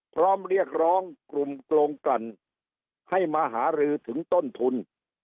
พร้อมเรียกร้องกลุ่มกลงกลั่นให้มาหารือถึงต้นทุน